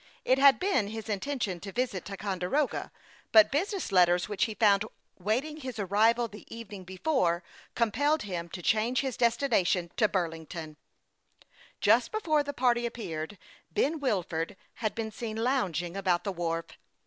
It had been his intention to visit Ticonde roga ; but business letters which he found waiting his arrival the evening before compelled him to change his destination to Burlington. THE YOUNG PILOT OF LAKE CHAMPLAIN. 261 Just before the party appeared, Ben Wilford had been seen lounging about the wharf.